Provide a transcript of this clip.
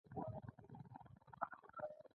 مرکزي سیسټم د وزیرانو لخوا رهبري او کنټرولیږي.